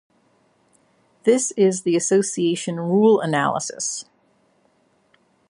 This is the association rule analysis.